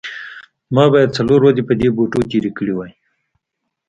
ما باید څلور ورځې په دې بوټو تیرې کړې وي